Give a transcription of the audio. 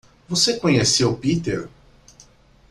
Você conheceu Peter?